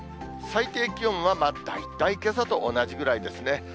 最低気温は大体けさと同じぐらいですね。